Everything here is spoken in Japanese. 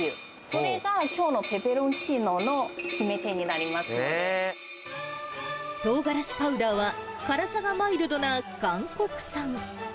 それがきょうのペペロンチーノのトウガラシパウダーは辛さがマイルドな韓国産。